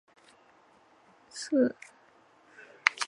也因此陈靖姑的尊称或封号甚多。